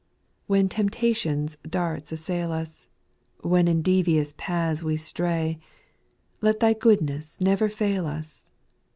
2. When temptation's darts assail us, Wlien in devious paths we stray. Let Thy goodness never fail us.